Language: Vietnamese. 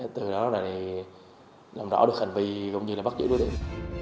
từ đó là làm rõ được hành vi bắt giữ đối tượng